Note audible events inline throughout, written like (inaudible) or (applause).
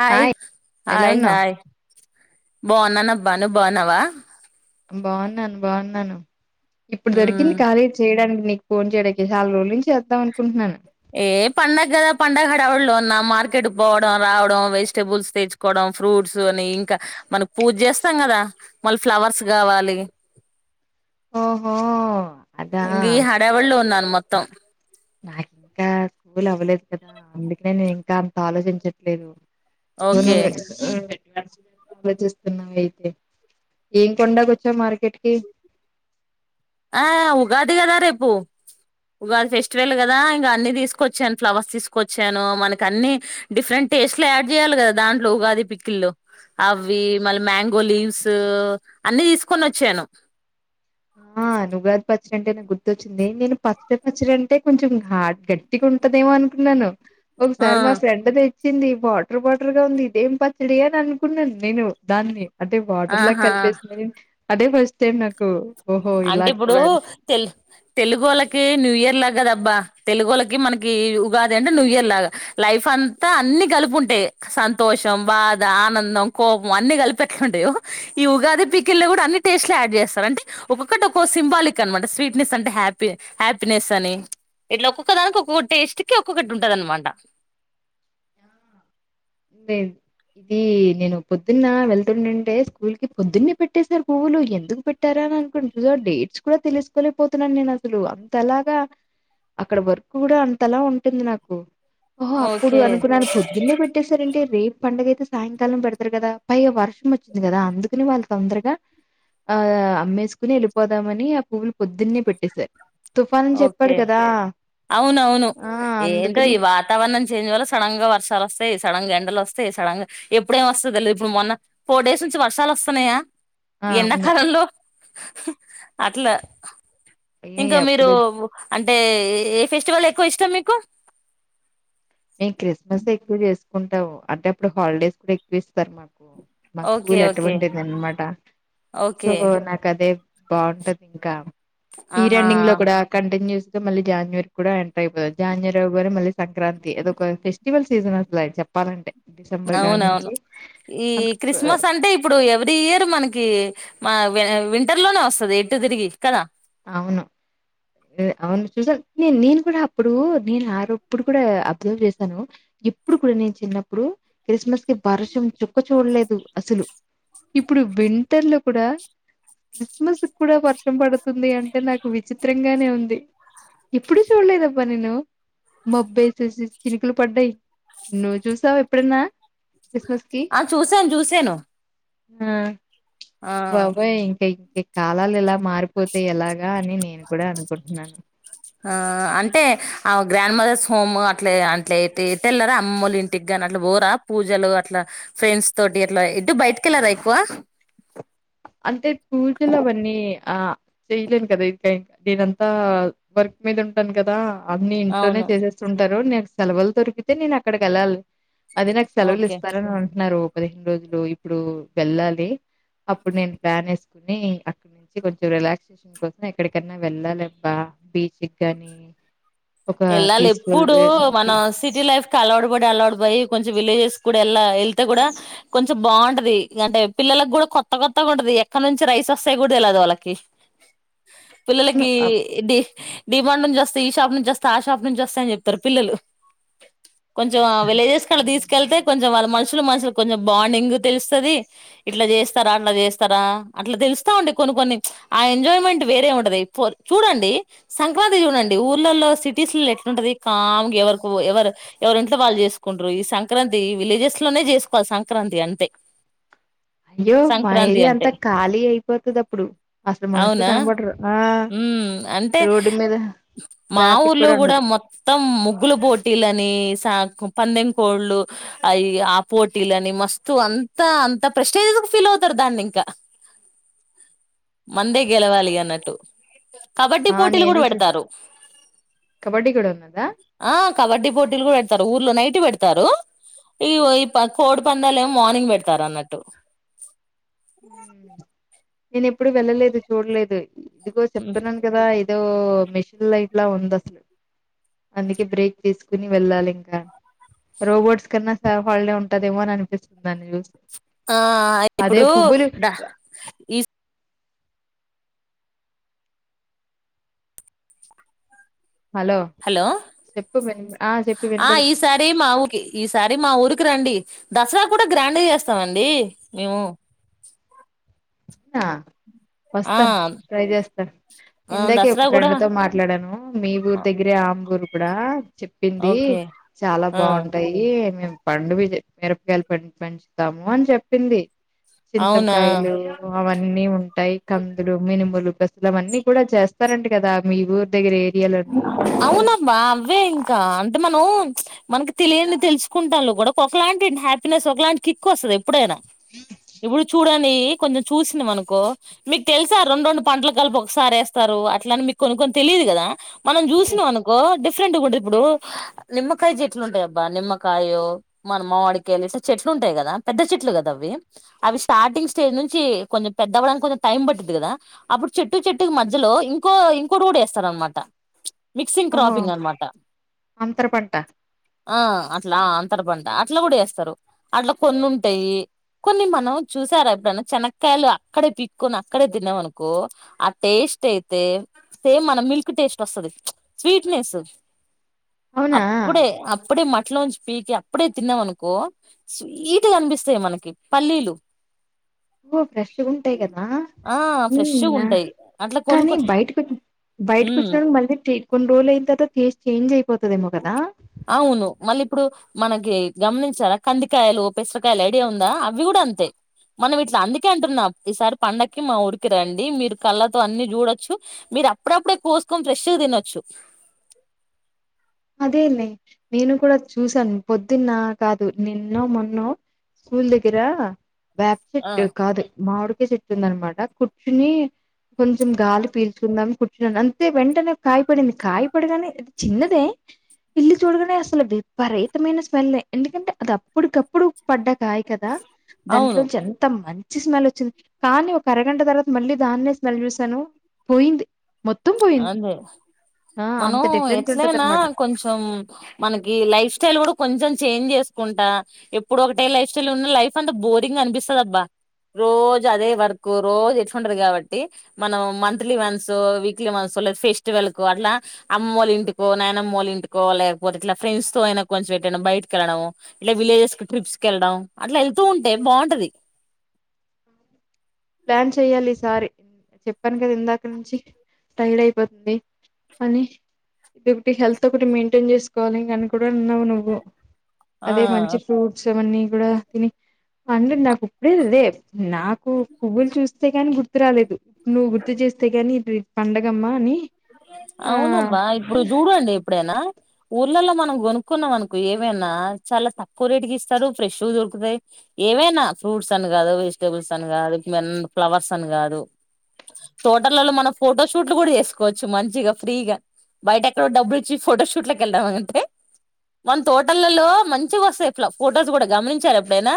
Hi ఎలా hi ఉన్నావ్ hi బాగున్నాను అబ్బా నువ్వు బాగున్నావా బాగున్నాను బాగున్నాను ఇప్పుడు దొరికింది ఉమ్ ఖాళీ చేయడానికి నీ ఫోన్యడానికి చాల రోజుల జుల నుంచి చెయడం అనుకుంటున్నాను ఏ పండగ కదా పండగ హడవలో ఉన్నా మార్కెట్ పోవడం రావడం వెజిటబుల్స్ తెచ్చుకోవడం ఫ్రూట్స్ అని ఇంకా మనకి పూజ చేస్తాం కదా మళ్ళీ ఫ్లవర్స్ కావాలి ఓహో అదా ఇంక ఈ హడావుడిలో ఉన్నాను మొత్తం నాకు ఇంకా స్కూల్ అవ్వలేదు కదా అందుక నేను ఇంకా అంత ఆలోచించట్లేదు అవును ఓకే (unintelligible) ఆలోచిస్తున్నావ అయితే ఏం కొండనీకి వచ్చావు మార్కెట్ కి ఆ ఉగాదిగదా రేపు ఉగాది ఫెస్టివల్ కదా ఇంకా అన్ని తీసుకొచ్చాను ఫ్లవర్స్ తీసుకొచ్చాను మనకి అన్ని డిఫరెంట్ టేస్ట్ లో యాడ్ చేయాలి కదా దాంట్లో ఉగాది పికిల్ లో అవి మళ్ళీ మ్యాంగో లీవ్స్ అన్ని తీసుకొని వచ్చాను ఆ ఆ ఉదాగి పచ్చడి అంటే నాకు గుర్తొచ్చింది నేను పచ్చడి పచ్చడి అంటే కొంచెం గట్టిగా ఉంటదేమో అనుకున్నాను ఒక సారి ఆ మా ఫ్రెండ తెచి వచ్చింది వాటర్ వాటర్ గా ఉంది ఇదేం పచ్చడి అని అనుకున్నాను నేను దాన్ని అంటే వాటర్ లాగా ఆహా కలిపేస్తుంది అదే ఫస్ట్ టైం నాకు ఓహో ఇలా అంటే ఇప్పుడు కూడా తెలు తెలుగు వాళ్ళకి న్యూ ఇయర్ లా కదా బ్బా తెలుగులకి మనకి ఉగాది అంటే న్యూ ఇయర్ లాగా లైఫ్ అంతా అన్ని కలుపు ఉంటాయి సంతోషం బాధ ఆనందం కోపం అన్ని కలిపెక్క ఉండేవు ఈ ఉగాది పిక్కిల్ లో కూడా అన్ని డ్ అంటే ఒక్క ఒకటి సింబాలిక్ అనమాట స్వీట్నెస్ అంటే హ హ్యాపీనెస్ అని ఇట్లా ఒక్కొక్క దానికి ఒక్కొక్క టేస్ట్ కి ఒక్కొక్కటి ఉంటది అనమాట లెధు ఇ నేను పొద్దున్న వెళ్తుండండే స్కూల్ కి పొద్దున్న పెట్టసారు పువ్వులు ఎందుకు పెట్టారా అనుకుంటుో డేట్స్ కూడా తెలుసుకోలేకపోతున్నాను నేను అసలు అంతలాగా అక్కడ వర్కు కూడా అంతలా ఉంటుంది నాకు ఓహో అప్పుడు ఓకే అనుకున్నాను పొద్దునే పెట్టి ఎంటే రేపు పండగ అయితే సాయంకాలం పెడతారు కదా పైగా వర్షం వచ్చింది కదా అందుకని వాళ్ళు తొందరగా ఆ అమ్మేసుకుని వెళ్ళిపోదామని ఆ పువ్వులు పొద్దున్న పెట్టేశారు తుఫాను అని చెప్పాడు ఓకే కదా అవునవును ఆ! ఏంటో అందుకని ఈ వాతావరణం చేంజ్ వల్ల సడన్ గా వర్షాలు వస్తాయి యి సడన్గా ఎండలు వస్తాయి సడన్గా ఎప్పుడ ఏం వస్తుంది తెలిదు ఇప్పుడు మొన్న ఫోర్ డేస్ నుంచి వర్షాలు వస్తున్నాయా ఆ! అవును. ఎండాకాలంలో హ్హు అట్లా. అయ్య! ఇంకా మీరు ఎప్పుడు అంటే ఏ ఫెస్టివల్ ఎక్కువిష్టం మీకు. మేమ్ క్రిస్మసె ఎక్కువ జేసుకుంటాము అంటే అప్పుడు హాలిడేస్ కూడా ఎక్కువిస్తారు మాకు. ఊ మా ఓకే స్కూల్ ఓకే అటువంటిదిన్మాట సో ఓకే నాకదే. బాగుంటదింకా. ఆహా ఇయరెండింగ్ లో కూడా కంటిన్యూస్. మళీ జాన్వరి కూడా ఎంటర్ అయిపో జాన్వరి అవగనే మళ్ళీ సంక్రాం. స్టివల్ సీజన్ అసలా చెప్పాలంటే. డిసెంబర్ కాడ నుంచి అవునవును ఈ మనకు స- క్రిస్మస్ అంటే ఇప్పుడు ఎవ్రీ ఇయర్ మనకి మా. వే వింటర్ లోనే వస్సది ఎటు దిరిగి కదా. అవును. ఏ అవును చూసాను నే నేను కూడా అప్పుడు నేను ఆరోప్పుడు కూడా అబ్జర్వ్ చేశాను ఏ. ప్పుడు కూడా నేను చిన్నప్పుడు క్రిస్మస్ కి వర్షం చుక్క చూడలేదు అసలు. ఇప్పుడు వింటర్ లో కూడా. క్రిస్మస్ కూడా వర్షం పడుతుంది అంటే నాకు విచిత్రంగానే ఉంది. ఎప్పుడు చూడలేదబ్బ నేను. మబ్బె చూసి చినుకులు పడ్డాయి నువ్వు చూసావా ఎప్పుడన్నా. క్రిస్మస్ కి ఆ చూసాను జూసాను. ఆ బాబోయి ఇంకె. ఈ కాలాలు ఇలా మారిపోతె ఎలాగా అని నేను కూడా అనుకుంటున్నా. ఆ అంటే ఆవ్ గ్రాండ్ మదర్స్ హోమ్ అట్లే అంట్లే టే ఎటెళ్లరా అమ్మొలింటికిగా. గానట్లా బోరా పూజలు అట్లా, ఫ్రెండ్స్ తోటి అట్లా ఎటు బయటికెళ్ళరా ఎక్కువ. అంటే పూజలవన్నీ ఆ. చెయ్లేను కదా ఇది, నేనంతా వర్క్ మీదుంటాను కదా. అన్నీ ఇంట్లోనే అవును చేసేస్తుంటారు నాకు సెలవులు దొరికితే నేనక్కడికెళ్ళాలి. అది నాకు ఓకే సెలవులిస్తారని అంటున్నారు పదిహేను రోజులు ఇప్పుడు వెళ్ళాలి. అప్పుడు నేను ప్లాన్ ఏసుకుని అక్కడి నుంచి కొంచెం రిలాక్సేషన్ కోసం ఎక్కడికన్నా వెళ్ళాలబ్బా. బీచిగాని. ఏళ్ళాలెప్పుడు మనం సిటీ లైఫ్ కలవాటు బడి అలవాటు పోయి కొం. జూ విలేజెస్ కూడా ఎల్లా ఎళ్తే గూడా కొంచెం బాగుంటది అంటే పిల్లలగూడా కొత్త కొత్తగుంటది. కనుంచి రైసోస్తాయి గూడా దెల్వదు వాళ్ళకి. అవును పిల్లలకి ఆ డీ డిమాండ్ నుంజొస్తే ఈ షాప్ నుంజొస్. స్తా ఆ షాప్ నుంజొస్తా అని జెప్తారు పిల్లలు, కొంజెం ఆ విలేజెస్ కలా దీస్. కెళ్తే కొంజెం వాళ్ళ మనుషుల మనుషులు కొంజెం బాండింగ్ తెలుస్తది., ఇట్లా జేస్తారా అట్లా జేస్తారా. అట్లా దెలుస్తా ఉండి కొన్ని కొన్ని ప్చ్ ఆ ఎంజాయ్మెంట్ వేరే ఉంటది ఫోర్ చూడండి సంక్రాంతి చూడం. డి ఊర్లలో సీ. టీస్ లేట్లుంటది కాంగా ఎవరుకు ఎవరు ఎవరింట్లో వాళ్ళు జేసుకుంట్రు ఈ సంక్రాంతి విలేజెస్ లో. జేసుకోవాలి సంక్రాంతి అంతే. అయ్యో మా ఏరియా అంటే అంతా ఖాళీ అయిపోతదప్పుడు అసలు మనుషులు కనబడ్రు ఆ. ఊమ్మ్ అంటే రోడ్డు మీద మా ట్రాఫిక్ ఊరు. లో కూడా గూడా ఉండదు మొత్తం ముగ్గుల పోటీలని స. ఆకు పందెం కోళ్ళు, అయి ఆ పోటిలని, మస్తు అంతా అంత ప్రస్టేజ్ కు ఫి. లౌతారు దాన్నింకా. మందే గెలవాలి అన్నట్టు. కబడ్డీ ఆ పోటీలు గూడా నేను చూ బెడతారు. కబడ్డీ కూడా ఉన్నదా ఆ కబడ్డీ పోటీలు గూ ఏడతారు ఊర్లో నైట్ బెడతారు. ఈవో ఈ ప కోడి పందాలెమార్నింగ్ బెడతారన్నట్టు. ఊమ్మ్ నేనెప్పుడు వెళ్ళలేదు, చూడ్లేదు ఇదిగో చెప్తున్నాను గదా ఇది. ఏదో మెషన్ లైట్లా ఉందస అందుకే బ్రేక్ తీసుకుని వెళ్ళాలింక. రోబోట్స్ కన్నా స హల్డే ఉంటదేమోనని నిపిస్తుంది నన్ను చూస్. ఆ ఇప్పుడు ఈ హలో హలో చెప్పు మ ఆ ఈసారీ మా ఊరికి ఈసారీ మా ఊరుకి రండి. దసరా కూడా గ్రాండ్ గా చేస్తామండి మేము. ఆ ఆ వస్తా ట్రై చేస్తా ఆ ఇందాకే ఒక దసరా కూడా ఫ్రెండ్ తో మాట్లాడాను మీ ఊరు దగ్గరే ఆ ఊరు. ఇప్పుడా చెప్పింది ఓకే చాలా ఆ బాగుంటాయి, మేమ్మ్మ్మ్ పండు మిర మిరపకాయలు (unintelligible) పెంచుతాము అని చెప్పింది. అవునా చింతకాయలు అవన్నీ ఉంటాయి కందులు, మినుములు, బసలు అవన్నీ కూడా చేస్తారంట కదా మీ ఊరు దగ్గరే. అవునబ్బా అవే ఇంకా అంటే మన మనకి తెలియని తెలుసుకుంటాళ్ కూడా ఒకలాంటి హ్యాపీనెస్ ఒకలాంటి కిక్ వస్తుంది ఎప్పుడైనా ఇప్పుడు చూడ కొంచెం చూసింది మనకో మీకు తెలుసా రెండు రెండు పంటలు కలిపి ఒకసారి వేస్తారు అట్లాని మీకును కొ తెలిదు కదా మనం చూసిన హ్మ్. అనుకో డి డిఫెందు ఇప్పుడు నిమ్మకాయ చెట్లు ఉంటాయి అబ్బా నిమ్మకాయ మన మావాడికాయలు చెట్లు ఉంటాయి కదా పెద్ద చెట్లు కదా అవి అవి స్టార్టింగ్ స్టేజ్ నుంచి కొంచెం పెద్ద అవ్వడానికి కొంచెం టైం పట్టిది కదా అప్పుడు చెట్టు చెట్టుకు మధ్యలో ఇంకో ఇంకోటి కూడా వేస్తారనమాట. మిక్సింగ్ ఓహో క్రాపింగ్ అనమాట. అంతర పంట ఆ అట్లా అంతర పంట అట్లా కూడా ఏస్తరు అట్లా కొనుంటాయ్. కొన్ని మనం చూసారా! ఎప్పుడైన్నా చెనకాయలు అక్కడే పీక్కొని అక్కడే తినమనుకో, ఆ టేస్ట్ స్ట్ అయితే సేమ్ మన మిల్క్ టేస్ట్ వ స్వీట్నెస్ అవునా అప్పుడే అప్పుడే మ ఇట్లోంచి పీకి అప్పుడే తిన్నాం అనుకో స్వీట్ గనిపిస్తాయి మనకి పల్లీలు. ఊ ఫ్రెష్ ఉంటాయి కదా ఆ ఊ ఫ్రెష్గా హా ఉంటాయి అట్లా కానీ కొనుక్కో బయటక వచ్చ బయటకు ఉమ్ వచ్చినడు మళ్ళీ కొన్ని రోజులు అయిన టెస్ట్ చేంజ్ అయిపో అవును మళ్ళీ ఇప్పుడు మనకి గమనించాలా కందికాయలు పెసరకాయలు అఐడి ఉందా అవి కూడా అంతే్ మనం ఇట్లా అందుకే అంటున్నాం ఈసారి పండకి మా ఊరికి రండి మీరు కళ్ళతో అన్ని చూడొచ్చు మీరు అప్పుడప్పుడే కోసుకొని ఫ్రెష్ గా తినొచ్చు అదేలే నేను కూడా చూసాను, పొద్దున్న కాదు, నిన్నో మొన్నో స్కూల్ దగ్గరా ఆ బ్యాప్సెట్ కాదు మామిడి మామిడికాయ చెట్టుందనమాట. కూర్చుని కొంచెం గాలి పీల్చకుందాం కుట్టినా అంతే వెంటనే కాయపడింది. కాయపడగానే అది చిన్నదే ఎల్లి చూడగానే అసలు విపరీతమైన స్మెల్లే. ఎందుకంటే అది అప్పుటికప్పుడు పడ్డ కాయ కదా అవును దాంట్లోంచి ఎంత మం మంచి స్మెల్ వచ్చింది, కానీ ఒక అరగంట తర్వాత మళ్ళీ దాన్నే స్మెల్ చూశాను పోయింది. మొత్తం పోయింది, అదే ఆ మనం అంత డిఫరెన్స్ ఎట్లయినా ఉంటదనమాట. కొంచెం మనకి లైఫ్ స్టైల్ కూడా కొంచెం చేంజ్ చేసుకుంటా ఎప్పుడు ఒకటే లైఫ్ స్టైల్ ఉన్న ైఫ్ అంతా బోరింగ్ అనిపిస్తుదబ్ా రోజు అదే వర్క్ రోజు ఎట్ంటది కాబట్టి మనం మంత్లీ వన్స్ వక్ ఇ మనలేదు ఫెస్టివల్ కు అలా అమ్మలు ఇంటికో నానమ్ వాళ్లు ఇంటికో లేకపోతే ఇట్లా ఫ్రెంస్ తో అనా కొంచెం పెట్టడం బయటకి వెలడం ఇట్లా విలేజెస్ కి్రిప్స్ కి వెళ్డం అట్లా వెళ్తూ ఉంటే బాగుంటది అ ప్లాన్ చెయ్యాలి ఈ సారి చెప్పాను కదా ఇందాక నుంచి టైర్డ్ అయిపోతది. అనీ ఇది ఒకటి హెల్త్ ఒకటి మెయింటైన్ చేసుకోవాలి. కను కూడా ఉన్నావనుకో ఆ అదే ఆ మంచి ఫ్రూట్స్ అవన్నీ. కూడా తిని అంటే నాకు ఇప్పుడేదే నాకు నువ్వులు చూస్తే ని గుర్తు రాలేదు నువ్వు గుర్తు చేస్తే కానీ రేపు పండగమ్మా అని ఆ అవును అబ్బా ఇప్పుడు చూడండి ఎప్పుడైనా ఊర్లలో మనం కొనుక్కున్నాం అనకు ఏమైనా చాలా తక్కువ రేటుకి ఇస్తాడు ఫ్రెష్ దొరుకుతాయి ఏవైనా ఫ్రూట్స్ అని కాదు వెజిటేబుల్స్ అని కాదు మ ఫ్లవర్స్ అని కాదు తోటర్లలో మనం ఫోటో షూట్లు కూడా చేస్తాం కోవచ్చు మంచిగా ఫ్రీగా బయట ఎక్కడో డబ్బులు ఇచ్చి ఫోటోషూట్ లో వెళ్దాం కంటే మ తోటలలో మంచిగా వస్తాయిట్లా ఫొటోస్ కూడా గమనించారు ఎప్పుడైనా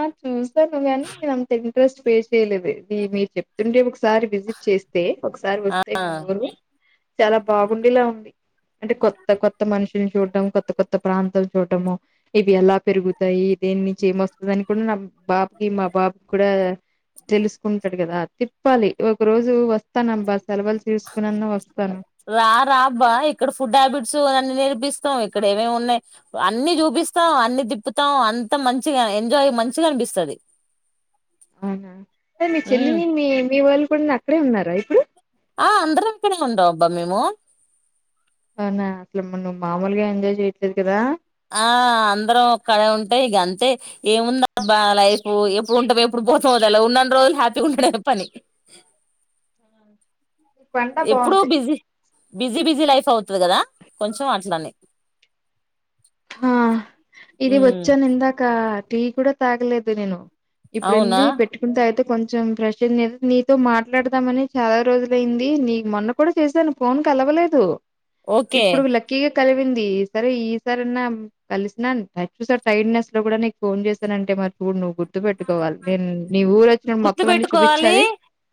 ఆ చూస్తాను కాని నేను అంత ఇంట్రెస్ట్ వే చేయలేదు ఇ మీరు చెప్తుంటే ఒకసారి విజిట్ చేస్తే ఒకసారి వస్తే మీ ఆ ఊరు చాలా బాగుండేలా ఉంది అంటే కొత్త కొత్త మనుషుని చూడట కొత్త కొత్త ప్రాంతం చూడటము ఇవి ఎలా పెరుగుతాయి దేన్నించి ఏమ వస్తుంద అని కూడా నా బాబుకి మా బాబుకి కూడా తెలుసుకుంటాడు కదా తిప్పాలి ఒక రోజు వ వస్తాన అబ్బా సెలవులు తీసుకునేన్నా వస్తాను రా రా అబ్బా ఇక్కడ ఫుడ్ హ్యాబిట్స్ అన్న నేర్పిస్త ఇక్కడ ఏమేమి ఉన్నాయి్ అన్ని చూపిస్తాం అన్ని తిప్పుతాం అంత మంచిగా ఎంజాయ్ మంచిగా పిస్తుది అవునా అరే మీ చెల్లిని మీ మీ వాళ్ళు కూడా అక్కడే ఉన్నారాయి ఆ అందరం పని ఉండం అబ్బా మేము అవునా అసలు నువ్ మామూలుగా ఎంజాయ్ చేయట్లేదు కదా ఆ అందరం ఒక్కడే ఉంటేయి ఇక అంతే ఏముంది అబ్బా లైఫ ఎప్పుడుంటా ఎప్పుడు ఉన్న రోజులు హ్యాపీగా ఉంటుండ పని ఆ ఇ పంట ఎప్పుడు బాగుంది బిజీ బిజీ బిజీ లైఫ్ అవుతుంది కదా కొంచెం అట్లని ఆ ఇది వచ్చ నిందాకా టీ కూడాడా తగలేదు నేను ఇప్పుడు అవునా వెళ్ళి పెట్టుకున్న తయితే కొంచ కొంచెం ప్రశాంతం గా నీతో మాట్లాడదామని చాలా రోజుల అయింది నీ మొన్న కూడా చేశాను ఫోన్ క అలవా లేదు ఓకే ఇప్పుడు లక్కీగా కలిసిందిసరే ఈ సార్ కలిసిన సార్ టైట్నెస్ లో కూడా నీకు ఫోన్ చేసాన అంట మ చూడు నువ్వు గుర్దు పెట్టుకోవాలి నేను నీ ఊరు వచ్చిన గుర్తు మొత్తం అన్నన్ని పెట్టుకోవాలి చూపించాలి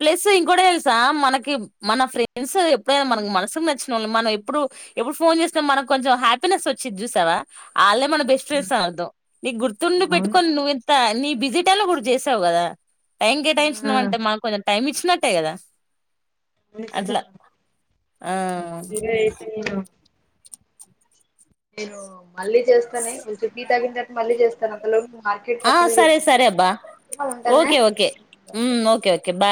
ప్లస్ ఇం ఒకటి తెలుసా మనకి మన ఫ్రెండ్ ఎప్పుడైనా మన మనసుకు నచ్చిన వాళ మనం ఎప్పుడు ఎప్పుడు ఫోన్ చేసిన మనంంచెం హ్యాపీనెస్ వచ్చిది చూసా అల మన బెస్ట్ ఫ్రెండ్స్ నీ గుర్తుండి అవును పెట్టుకని నువ్వుంత నీ బిజి ట టైమ్ లో చేసావు కదా టైం ఆ కేటాయించందం అంటే మాకు కొంచెం టైం ఇచ్చినట్టే కదా అవును కదా అట్లా ఆ సరే అయితే ఏమో మళ్ళీ చేస్తా కొంచెం మళ్ళీ చేస్తాను అంతలో మార్కెట్ ఆ సరే మ సరే అబ్బా ఓకే ఓకే ఓకే ఓకే బా